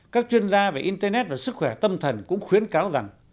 các chuyên gia về internet và sức khỏe tâm thần cũng khuyến cáo rằng